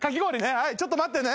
はいちょっと待ってね。